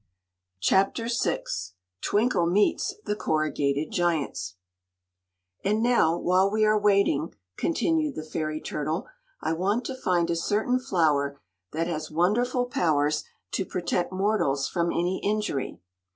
Chapter VI Twinkle Meets the Corrugated Giant "AND now, while we are waiting," continued the fairy turtle, "I want to find a certain flower that has wonderful powers to protect mortals from any injury.